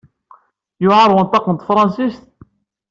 Yewɛeṛ wenṭaq n tefṛensist?